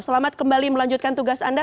selamat kembali melanjutkan tugas anda